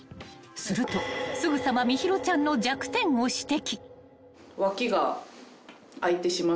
［するとすぐさま心優ちゃんの弱点を指摘］